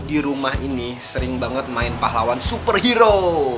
di rumah ini sering banget main pahlawan superhero